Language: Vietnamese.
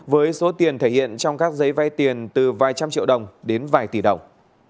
với số tiền thể hiện trong các giấy vay tiền từ vài trăm triệu đồng đến vài tỷ đồng